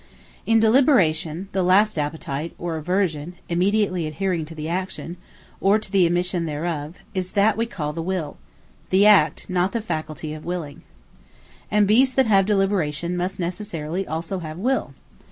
The Will In Deliberation, the last Appetite, or Aversion, immediately adhaering to the action, or to the omission thereof, is that wee call the WILL; the Act, (not the faculty,) of Willing. And Beasts that have Deliberation must necessarily also have Will.